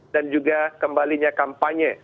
dan juga kembalinya kampanye